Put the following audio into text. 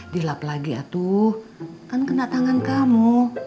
dilap lagi atuh kan kena tangan kamu